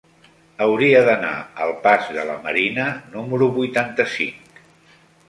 Hauria d'anar al pas de la Marina número vuitanta-cinc.